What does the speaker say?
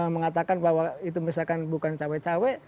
mengatakan bahwa itu misalkan bukan cawe cawe